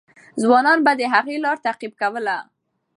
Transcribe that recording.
ځوانان به د هغې لار تعقیب کوله.